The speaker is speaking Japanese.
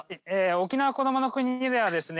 沖縄こどもの国ではですね